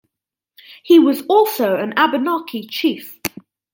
He was also an Abenaki chief.